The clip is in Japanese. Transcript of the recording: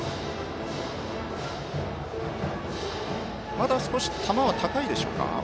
まだ少し、球は高いでしょうか？